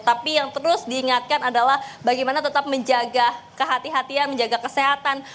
tapi yang terus diingatkan adalah bagaimana tetap menjaga kehatian kehatian menjaga kesehatan